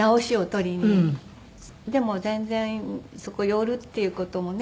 でも全然そこ寄るっていう事もね